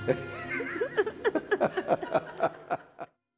ハハハハ！